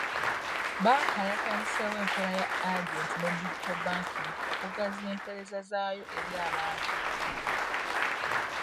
Bbanka yatandiseewo enkola ya agenti ne digito banking okugaziya empereza zaayo eri abantu .